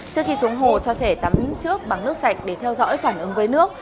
trước khi xuống hồ cho trẻ tắm trước bằng nước sạch để theo dõi phản ứng với nước